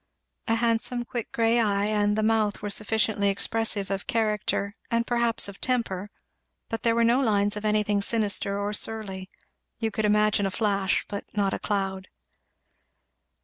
A handsome quick grey eye and the mouth were sufficiently expressive of character, and perhaps of temper, but there were no lines of anything sinister or surly; you could imagine a flash, but not a cloud.